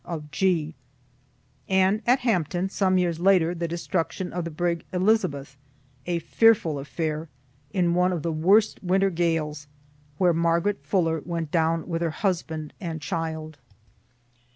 of G.) And at Hampton, some years later, the destruction of the brig "Elizabeth," a fearful affair, in one of the worst winter gales, where Margaret Fuller went down, with her husband and child.